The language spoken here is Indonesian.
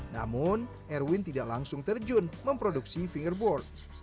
namun erwin tidak langsung terjun memproduksi fingerboard